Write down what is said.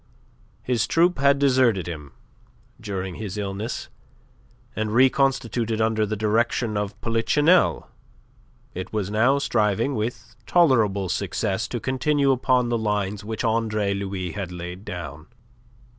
His troupe had deserted him during his illness, and reconstituted under the direction of Polichinelle it was now striving with tolerable success to continue upon the lines which Andre Louis had laid down.